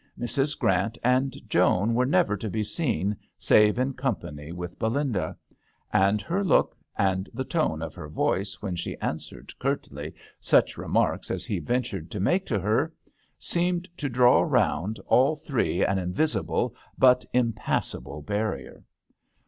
Mrs. Grant and Joan were never to be seen save in company with Belinda; and her look, and the tone of her THE HdTEL D'aNGLETERRE. 37 voice when she answered curtly such remarks as he ventured to make to her, seemed to draw around all three an invisible but impassable barrier.